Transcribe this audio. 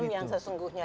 problem yang sesungguhnya